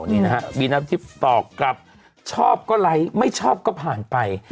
นี่นะฮะบีน้ำทิพย์ตอบกลับชอบก็ไลค์ไม่ชอบก็ผ่านไป